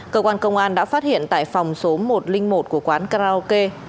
cơ quan công an đã phát hiện tại phòng số một trăm linh một của quán karaoke